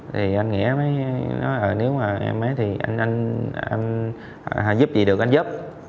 thì anh nghĩa mới nói là nếu mà em mới thì anh anh giúp gì được anh giúp